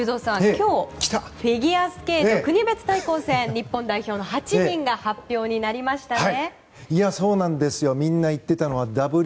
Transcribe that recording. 今日フィギュアスケート国別対抗戦、日本代表の８人が発表になりましたね。